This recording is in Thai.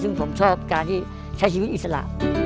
ซึ่งผมชอบการที่ใช้ชีวิตอิสระ